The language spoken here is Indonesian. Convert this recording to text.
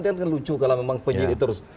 ini kan lucu kalau memang penyidik terus